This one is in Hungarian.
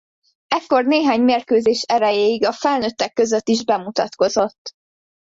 Ekkor néhány mérkőzés erejéig a felnőttek között is bemutatkozott.